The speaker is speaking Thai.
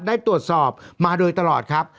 ได้ตรวจสอบมาโดยตลอดครับ